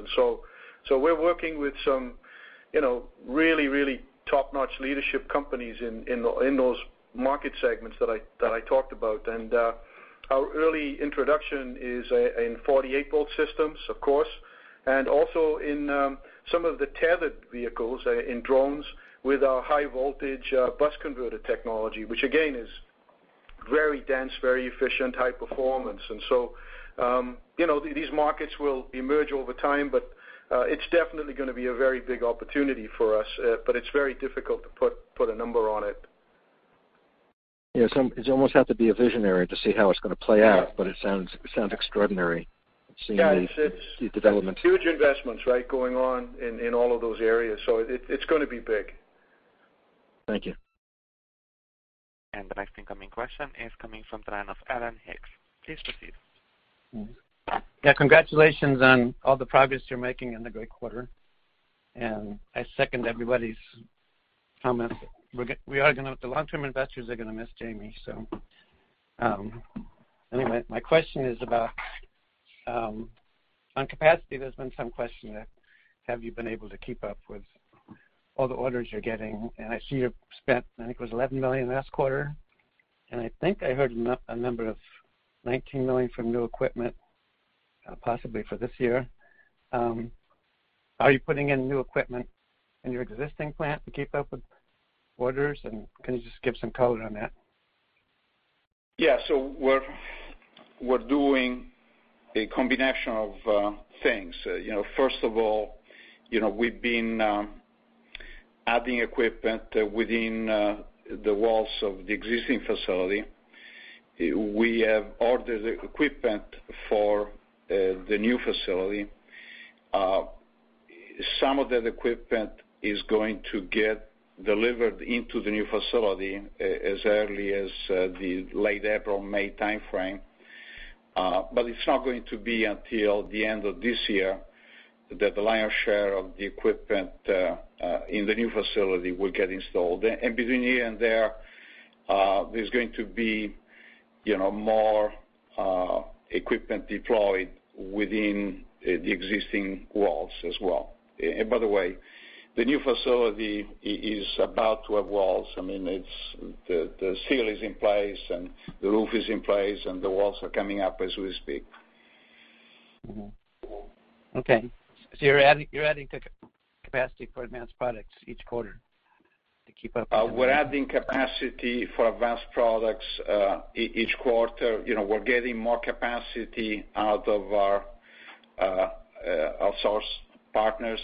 We're working with some really, really top-notch leadership companies in those market segments that I talked about. Our early introduction is in 48 volt systems, of course, and also in some of the tethered vehicles in drones with our high voltage bus converter technology, which again, is very dense, very efficient, high performance. These markets will emerge over time, but it's definitely going to be a very big opportunity for us, but it's very difficult to put a number on it. Yeah. You almost have to be a visionary to see how it's going to play out. Yeah It sounds extraordinary seeing the development. Yeah. It's huge investments, right, going on in all of those areas. It's going to be big. Thank you. The next incoming question is coming from the line of Alan Hicks. Please proceed. Yeah. Congratulations on all the progress you're making and the great quarter. I second everybody's comments. The long-term investors are going to miss Jamie. Anyway, my question is about on capacity, there's been some question there. Have you been able to keep up with all the orders you're getting? I see you've spent, I think it was $11 million last quarter, and I think I heard a number of $19 million from new equipment, possibly for this year. Are you putting in new equipment in your existing plant to keep up with orders? Can you just give some color on that? We're doing a combination of things. First of all, we've been adding equipment within the walls of the existing facility. We have ordered equipment for the new facility. Some of that equipment is going to get delivered into the new facility as early as the late April, May timeframe. It's not going to be until the end of this year that the lion's share of the equipment in the new facility will get installed. Between here and there's going to be more equipment deployed within the existing walls as well. By the way, the new facility is about to have walls. I mean, the steel is in place, and the roof is in place, and the walls are coming up as we speak. Mm-hmm. Okay. You're adding capacity for advanced products each quarter. We're adding capacity for advanced products each quarter. We're getting more capacity out of our outsource partners.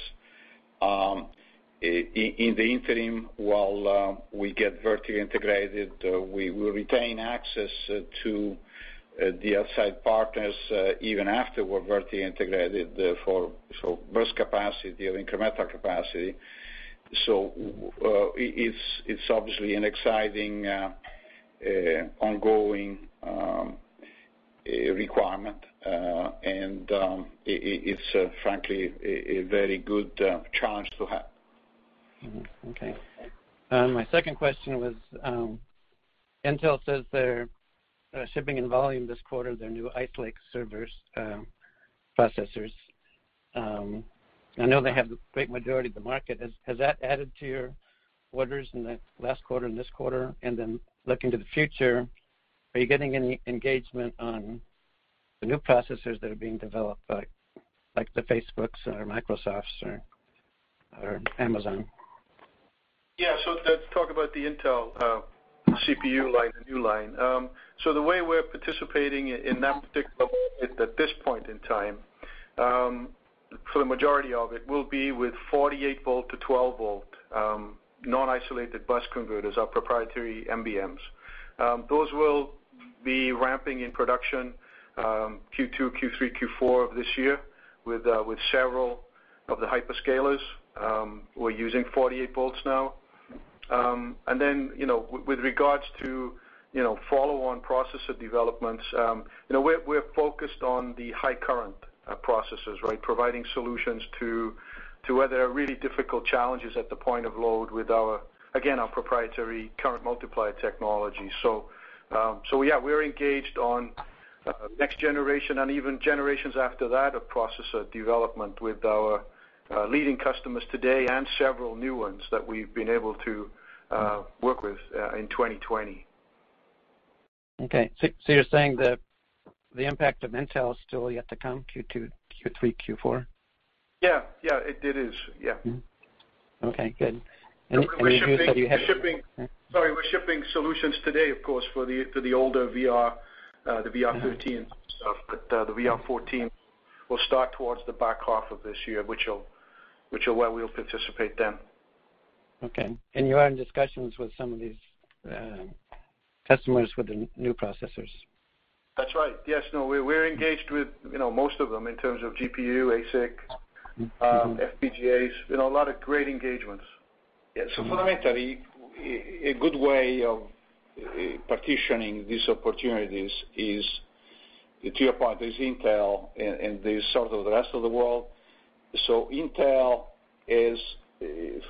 In the interim, while we get vertically integrated, we will retain access to the outside partners, even after we're vertically integrated, so burst capacity or incremental capacity. It's obviously an exciting ongoing requirement. It's frankly a very good challenge to have. Mm-hmm. Okay. My second question was, Intel says they're shipping in volume this quarter their new Ice Lake servers processors. I know they have the great majority of the market. Has that added to your orders in the last quarter and this quarter? Looking to the future, are you getting any engagement on the new processors that are being developed, like the Facebook's or Microsoft's or Amazon? Let's talk about the Intel CPU line, the new line. The way we're participating in that particular market at this point in time, for the majority of it, will be with 48 volt to 12 volt, non-isolated bus converters, our proprietary NBMs. Those will be ramping in production Q2, Q3, Q4 of this year with several of the hyperscalers who are using 48 volts now. With regards to follow-on processor developments, we're focused on the high current processors, right? Providing solutions to where there are really difficult challenges at the point of load with our, again, our proprietary current multiplier technology. Yeah, we're engaged on next generation and even generations after that of processor development with our leading customers today and several new ones that we've been able to work with in 2020. Okay. You're saying that the impact of Intel is still yet to come, Q2, Q3, Q4? Yeah. It is. Yeah. Okay, good. Sorry, we're shipping solutions today, of course, for the older VR, the VR 13 stuff. The VR 14 will start towards the back half of this year, which are where we'll participate then. Okay. You are in discussions with some of these customers with the new processors? That's right. Yes, we're engaged with most of them in terms of GPU, ASIC. FPGAs, a lot of great engagements. Yeah. Fundamentally, a good way of partitioning these opportunities is, to your point, there's Intel and there's sort of the rest of the world. Intel is,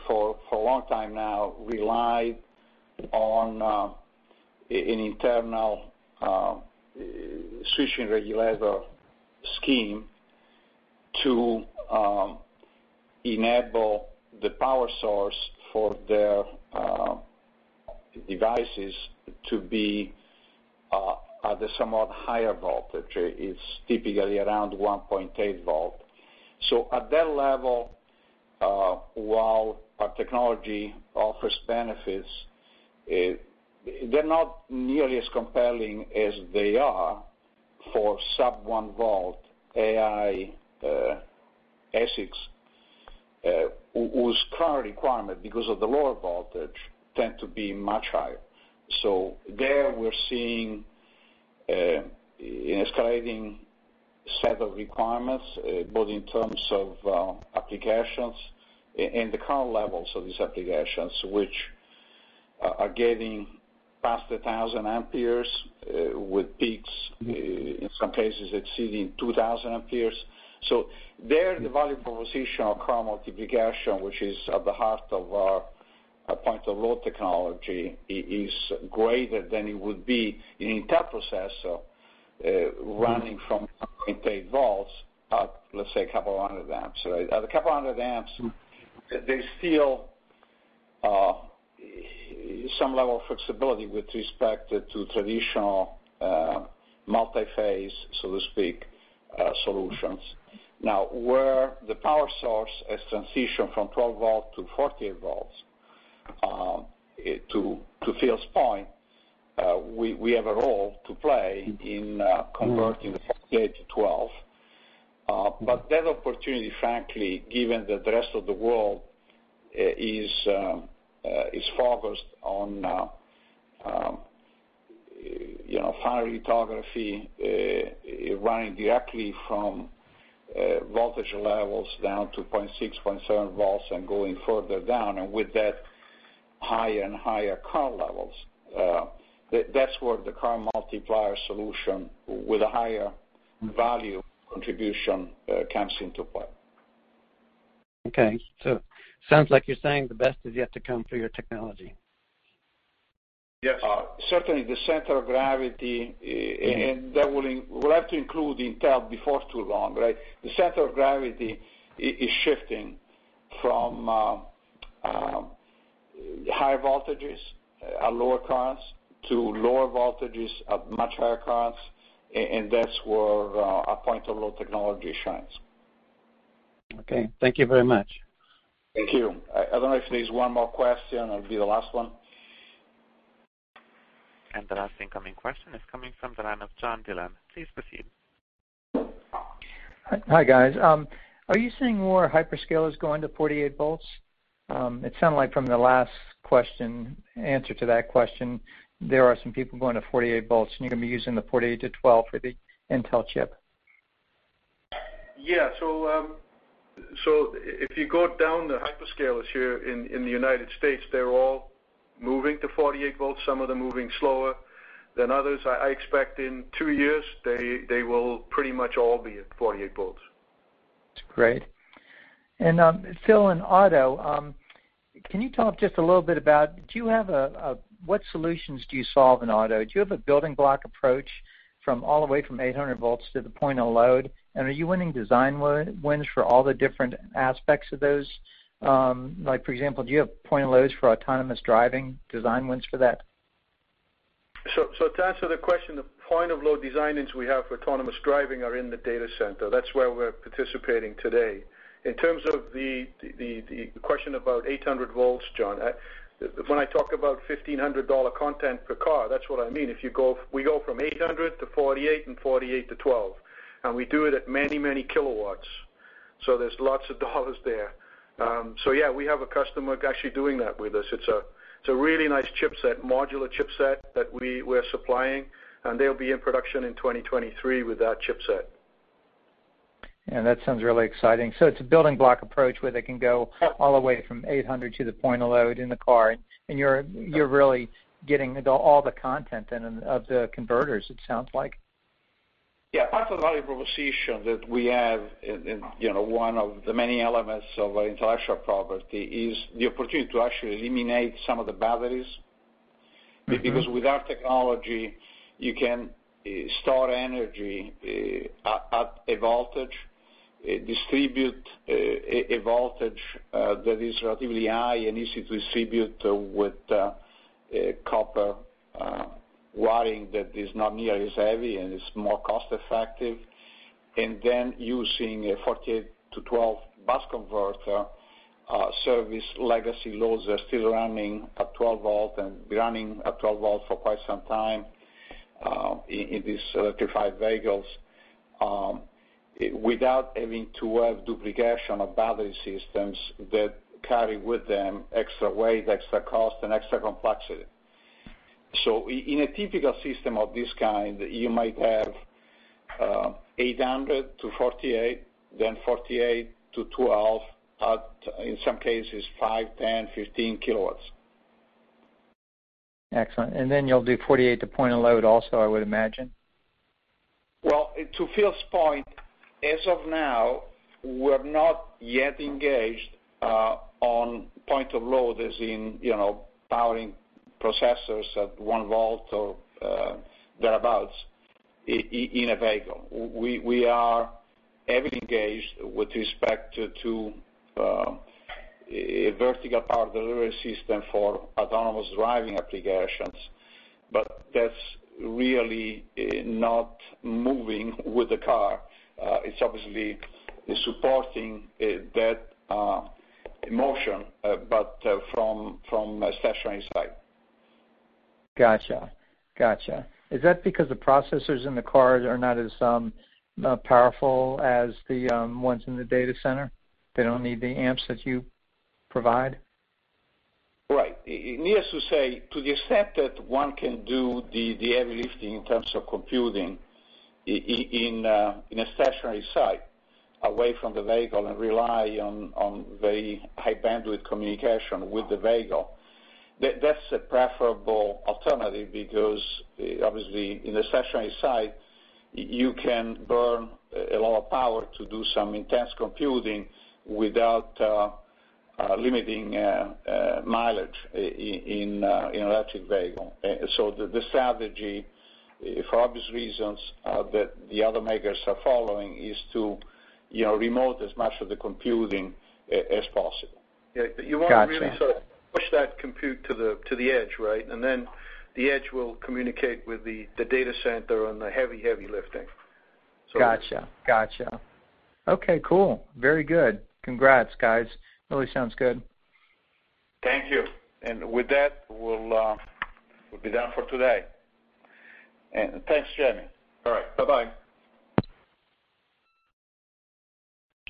for a long time now, relied on an internal switching regulator scheme to enable the power source for their devices to be at the somewhat higher voltage. It's typically around 1.8 volt. At that level, while our technology offers benefits, they're not nearly as compelling as they are for sub one volt AI ASICs, whose current requirement, because of the lower voltage, tend to be much higher. There we're seeing an escalating set of requirements, both in terms of applications and the current levels of these applications, which are getting past 1,000 amperes with peaks, in some cases exceeding 2,000 amperes. There, the value proposition of current multiplication, which is at the heart of our point of load technology, is greater than it would be in Intel processor running from 1.8 volts at, let's say, a couple of hundred amps. At a couple of hundred amps, they feel some level of flexibility with respect to traditional multi-phase, so to speak, solutions. Where the power source has transitioned from 12 volts to 48 volts, to Phil's point, we have a role to play in converting the 48-12. That opportunity, frankly, given that the rest of the world is focused on fine lithography, running directly from voltage levels down to 0.6, 0.7 volts and going further down, and with that, higher and higher current levels. That's where the current multiplier solution with a higher value contribution comes into play. Okay. sounds like you're saying the best is yet to come for your technology. Yes. Certainly the center of gravity, that will have to include Intel before too long, right? The center of gravity is shifting from high voltages at lower currents to lower voltages at much higher currents. That's where our point of load technology shines. Okay. Thank you very much. Thank you. I don't know if there's one more question, it'll be the last one. The last incoming question is coming from the line of John Dillon. Please proceed. Hi, guys. Are you seeing more hyperscalers going to 48 volts? It sounded like from the last question, answer to that question, there are some people going to 48 volts, and you're going to be using the 48 to 12 for the Intel chip. If you go down the hyperscalers here in the United States, they're all moving to 48 volts, some of them moving slower than others. I expect in two years, they will pretty much all be at 48 volts. That's great. Phil, in auto, can you talk just a little bit about what solutions do you solve in auto? Do you have a building block approach all the way from 800 volts to the point of load? Are you winning design wins for all the different aspects of those? For example, do you have point of loads for autonomous driving, design wins for that? To answer the question, the point of load design wins we have for autonomous driving are in the data center. That's where we're participating today. In terms of the question about 800 volts, John, when I talk about $1,500 content per car, that's what I mean. We go from 800-48 and 48-12, and we do it at many, many kilowatts, so there's lots of dollars there. Yeah, we have a customer actually doing that with us. It's a really nice chipset, modular chipset that we're supplying, and they'll be in production in 2023 with that chipset. Yeah, that sounds really exciting. It's a building block approach where they can go all the way from 800 to the point of load in the car, and you're really getting all the content of the converters, it sounds like. Part of the value proposition that we have in one of the many elements of intellectual property is the opportunity to actually eliminate some of the batteries. Because with our technology, you can store energy at a voltage, distribute a voltage that is relatively high and easy to distribute with copper wiring that is not nearly as heavy and is more cost-effective. Using a 48-12 bus converter service, legacy loads are still running at 12 volt and be running at 12 volt for quite some time in these electrified vehicles without having to have duplication of battery systems that carry with them extra weight, extra cost, and extra complexity. In a typical system of this kind, you might have 800-48, then 48-12 at, in some cases, five, 10, 15 kW. Excellent, you'll do 48 to point of load also, I would imagine. Well, to Phil's point, as of now, we're not yet engaged on point of load as in powering processors at one volt or thereabouts in a vehicle. We are heavily engaged with respect to a vertical power delivery system for autonomous driving applications, but that's really not moving with the car. It's obviously supporting that motion, but from a stationary side. Got you. Is that because the processors in the cars are not as powerful as the ones in the data center? They don't need the amps that you provide? Right. Needless to say, to the extent that one can do the heavy lifting in terms of computing in a stationary site away from the vehicle and rely on very high bandwidth communication with the vehicle, that is a preferable alternative because, obviously, in the stationary site, you can burn a lot of power to do some intense computing without limiting mileage in an electric vehicle. The strategy, for obvious reasons, that the automakers are following is to remote as much of the computing as possible. Got you. Yeah. You want to really sort of push that compute to the edge, right? The edge will communicate with the data center on the heavy lifting. Got you. Okay, cool. Very good. Congrats, guys. Really sounds good. Thank you. With that, we'll be done for today. Thanks, Jamie. All right. Bye. Thank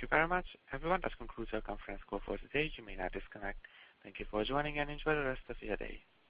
you very much, everyone. That concludes our conference call for today. You may now disconnect. Thank you for joining, and enjoy the rest of your day.